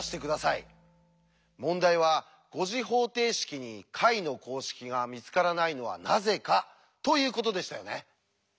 問題は５次方程式に解の公式が見つからないのはなぜかということでしたよね。